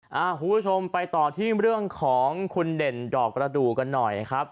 คุณผู้ชมไปต่อที่เรื่องของคุณเด่นดอกประดูกกันหน่อยครับ